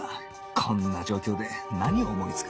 こんな状況で何を思いつく？